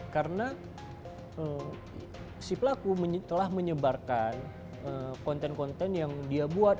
karena si pelaku telah menyebarkan konten konten yang dia buat